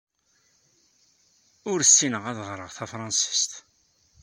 Ur ssineɣ ad ɣreɣ tafṛensist.